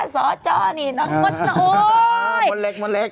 สอจ้อนิน้องมดน้อง